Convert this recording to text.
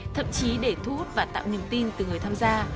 thậm chí để thu hút và tạo niềm tin từ người tham gia